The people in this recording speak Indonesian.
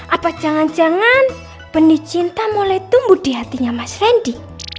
apa jangan jangan benih cinta mulai tumbuh di hatinya mas randy